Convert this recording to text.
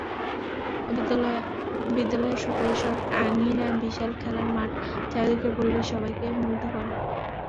বিদ্যালয়ের সুপরিসর আঙিনা, বিশাল খেলার মাঠ, চারদিকের পরিবেশ সবাইকে মুগ্ধ করে।